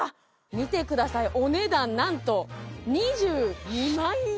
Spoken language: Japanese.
見てくださいお値段なんと２２万円